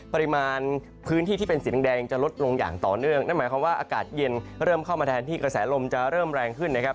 ปริมาณพื้นที่ที่เป็นสีแดงจะลดลงอย่างต่อเนื่องนั่นหมายความว่าอากาศเย็นเริ่มเข้ามาแทนที่กระแสลมจะเริ่มแรงขึ้นนะครับ